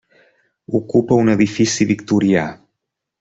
Ocupa un edifici victorià.